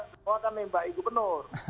semua akan menembaki gubernur